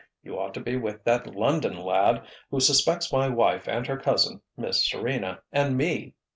You ought to be with that London lad, who suspects my wife and her cousin, Miss Serena, and me!